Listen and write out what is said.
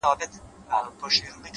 هغه نجلۍ چي هر ساعت به یې پوښتنه کول،